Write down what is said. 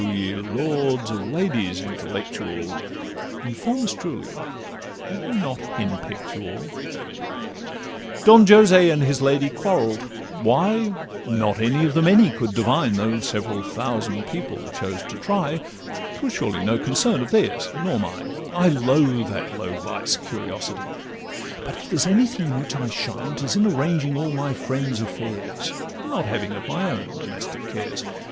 ye lords of ladies intellectual, Inform us truly, have they not hen peck'd you all? Don Jose and his lady quarrell'd—why, Not any of the many could divine, Though several thousand people chose to try, 'Twas surely no concern of theirs nor mine; I loathe that low vice—curiosity; But if there's anything in which I shine, 'Tis in arranging all my friends' affairs, Not having of my own domestic cares.